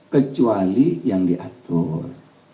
kecuali yang diatur